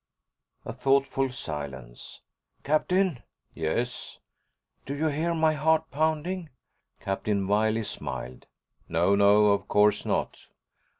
A thoughtful silence. "Captain." "Yes?" "Do you hear my heart pounding?" Captain Wiley smiled. "No. No, of course not."